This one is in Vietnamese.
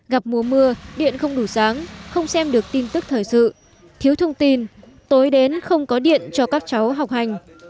gặp mùa mưa điện không đủ sáng không xem được tin tức thời sự thiếu thông tin tối đến không có điện cho các cháu học hành